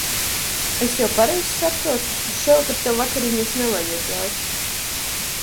Es jau pareizi saprotu, ka šovakar tev vakariņas nevajadzēs?